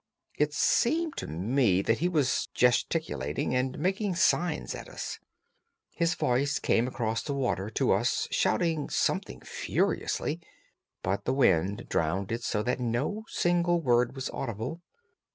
It seemed to me that he was gesticulating and making signs at us. His voice came across the water to us shouting something furiously, but the wind drowned it so that no single word was audible.